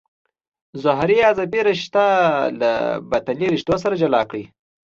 ظهري عصبي رشتې له بطني رشتو سره جلا کړئ.